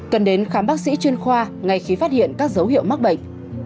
cần đến khám bác sĩ chuyên khoa ngay khi phát hiện các dấu hiệu mắc bệnh